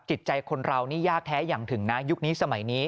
จิตใจคนเรานี่ยากแท้อย่างถึงนะยุคนี้สมัยนี้